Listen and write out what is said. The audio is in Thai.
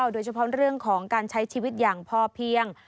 โดยเฉพาะเรื่องของการใช้ชีวิตอย่างพอเพียง